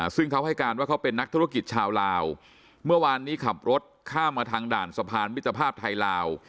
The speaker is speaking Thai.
ซึ่งเขาให้การว่าเขาเป็นนักธุรกิจชาวลาวเมื่อวานนี้ขับรถข้ามมาทางด่านสะพานมิตรภาพไทยลาว